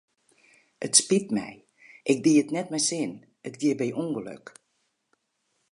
It spyt my, ik die it net mei sin, it gie by ûngelok.